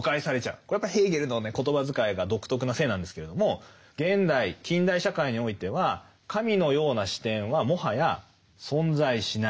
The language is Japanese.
これやっぱヘーゲルの言葉遣いが独特なせいなんですけれども現代・近代社会においては神のような視点はもはや存在しない。